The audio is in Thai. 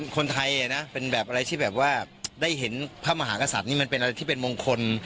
คนไทยเป็นแบบอะไรที่ได้เห็นพระมหากษัตริย์นี้เป็นอะไรที่มงคล